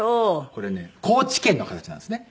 これね高知県の形なんですね。